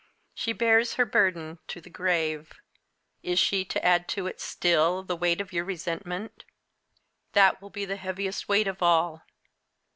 She bears her burden to the grave. Is she to add to it, still, the weight of your resentment? That will be the heaviest weight of all.